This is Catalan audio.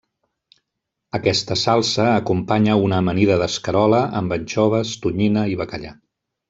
Aquesta salsa acompanya una amanida d'escarola, amb anxoves, tonyina i bacallà.